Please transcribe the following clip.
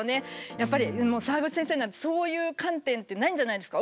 やっぱりもう澤口先生なんてそういう観点ってないんじゃないですか？